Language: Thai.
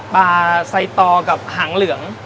ปลาไซตอกับหางเหลือง